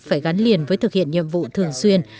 phải gắn liền với thực hiện nhiệm vụ thường xuyên